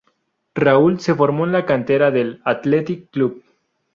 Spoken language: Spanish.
Raúl se formó en la cantera del Athletic Club.